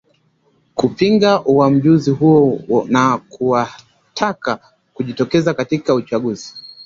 kupinga uwamjuzi huo na kuwataka kujitokeza katika uchaguzi